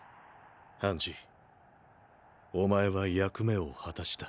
ハンジお前は役目を果たした。